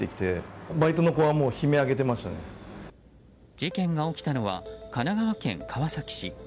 事件が起きたのは神奈川県川崎市。